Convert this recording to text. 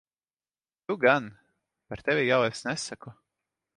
Tu gan. Par tevi jau es nesaku.